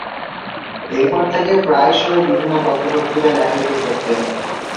এরপর থেকে প্রায়শই বিভিন্ন পত্র-পত্রিকায় লেখালেখি করতেন।